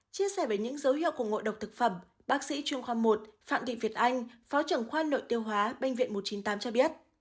chia sẻ về những dấu hiệu của ngộ độc thực phẩm bác sĩ trung khoa một phạm thị việt anh phó trưởng khoa nội tiêu hóa bệnh viện một trăm chín mươi tám cho biết